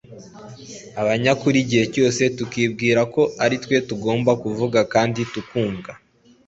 abanyakuri igihe cyose! tukibwira ko ari twe tugomba kuvuga kandi tukumvwa